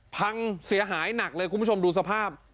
พังเสียหายหนักเลยคุณผู้ชมดูสภาพ